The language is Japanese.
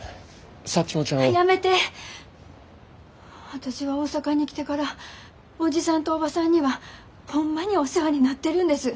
私が大阪に来てからおじさんとおばさんにはホンマにお世話になってるんです。